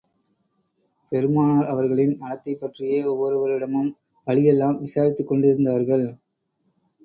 பெருமானார் அவர்களின் நலத்தைப் பற்றியே ஒவ்வொருவரிடமும் வழியெல்லாம் விசாரித்துக் கொண்டிருந்தார்கள்.